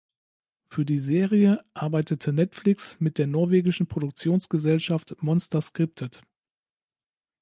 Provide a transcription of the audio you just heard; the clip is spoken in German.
Für die Serie arbeitete Netflix mit der norwegischen Produktionsgesellschaft Monster Scripted.